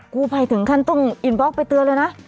กู้ภัยถึงขั้นต้องอินบล็อกไปเตือนเลยนะ